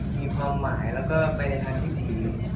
มีความหมายแล้วก็ไปในทางที่ดี